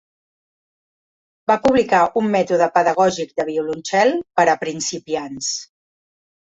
Va publicar un mètode pedagògic de violoncel per a principiants.